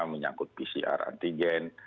menyangkut pcr antigen